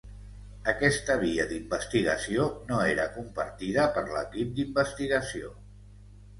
Aquesta via d'investigació no era compartida per l'equip d'investigació.